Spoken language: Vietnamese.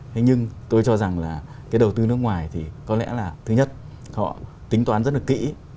thế nhưng tôi cho rằng là cái đầu tư nước ngoài thì có lẽ là thứ nhất họ tính toán rất là kỹ